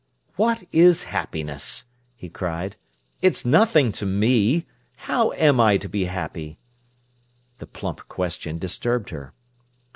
"What is happiness!" he cried. "It's nothing to me! How am I to be happy?" The plump question disturbed her.